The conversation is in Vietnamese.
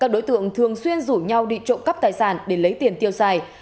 các đối tượng thường xuyên rủ nhau đi trộm cắp tài sản để lấy tiền tiêu xài